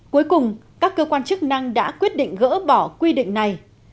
cuối cùng các cơ quan chức năng đã quyết định gỡ bỏ quy định này